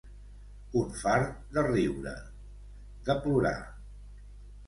Un fart de riure, de plorar.